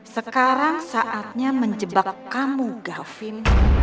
sekarang saatnya menjebak kamu gavin